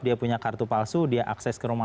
dia punya kartu palsu dia akses ke rumah